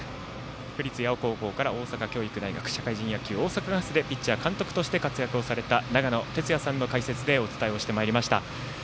府立八尾高校から大阪教育大学社会人野球、大阪ガスでピッチャー、監督として活躍をされた長野哲也さんの解説でお伝えをしてまいりました。